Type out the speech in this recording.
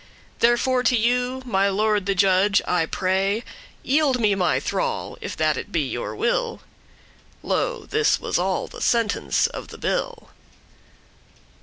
Wherefore to you, my lord the judge, I pray, Yield me my thrall, if that it be your will." Lo, this was all the sentence of the bill.